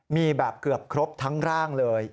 มีแบบเกือบครบทั้งร่างเลย